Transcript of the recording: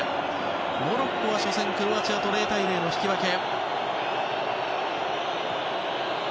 モロッコは初戦、クロアチアと０対０の引き分け。